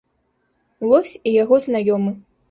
Лось і яго знаёмы.